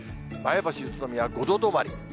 前橋、宇都宮５度止まり。